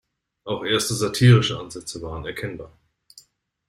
Auch erste satirische Ansätze waren erkennbar.